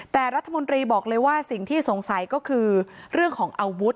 แต่รัฐมนตรีบอกเลยว่าสิ่งที่สงสัยก็คือเรื่องของอาวุธ